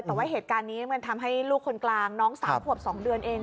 แต่ว่าเหตุการณ์นี้มันทำให้ลูกคนกลางน้อง๓ขวบ๒เดือนเอง